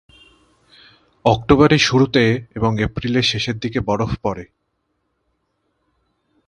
অক্টোবরের শুরুতে এবং এপ্রিলের শেষের দিকে বরফ পড়ে।